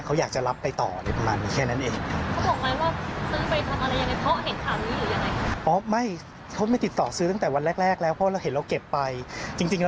เขาอยากจะรับไปต่อเห็นมันแค่นั้นเอง